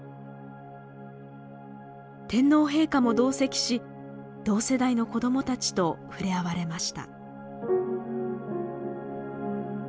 天皇陛下も同席し同世代の子どもたちとふれあわれました。